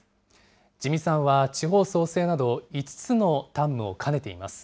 自見さんは地方創生など５つの担務を兼ねています。